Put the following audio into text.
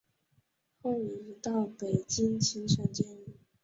后移到北京秦城监狱。